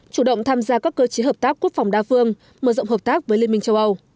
chủ động tham gia các cơ chế hợp tác quốc phòng đa phương mở rộng hợp tác với liên minh châu âu